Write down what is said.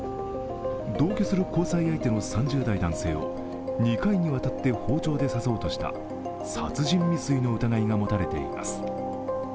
同居する交際相手の３０代男性を２回にわたって包丁で刺そうとした殺人未遂の疑いが持たれています。